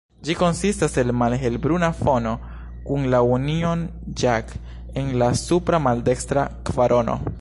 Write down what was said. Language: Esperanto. Ĝi konsistas el malhelblua fono, kun la Union Jack en la supra maldekstra kvarono.